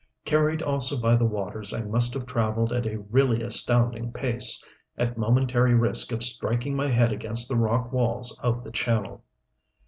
Carried also by the waters, I must have traveled at a really astounding pace, at momentary risk of striking my head against the rock walls of the channel.